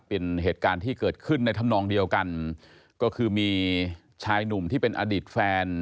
เป็นเหตุการณ์ที่เกิดขึ้นในธรรมนองเดียวกันก็คือมีชายหนุ่มที่เป็นอดีตแฟน